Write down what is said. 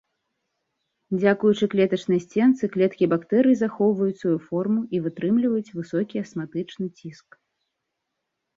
Дзякуючы клетачнай сценцы клеткі бактэрый захоўваюць сваю форму і вытрымліваюць высокі асматычны ціск.